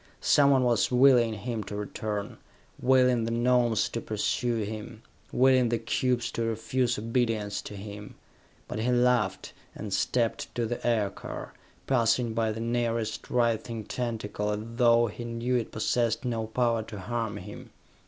Someone was willing him to return, willing the Gnomes to pursue him, willing the cubes to refuse obedience to him; but he laughed and stepped to the aircar, passing by the nearest writhing tentacle as though he knew it possessed no power to harm him.